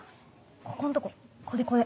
ここんとここれこれ。